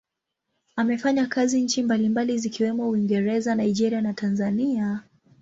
Amefanya kazi nchi mbalimbali zikiwemo Uingereza, Nigeria na Tanzania.